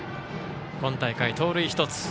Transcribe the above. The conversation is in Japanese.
今大会、盗塁１つ。